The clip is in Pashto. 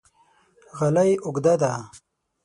غالۍ اوږده ده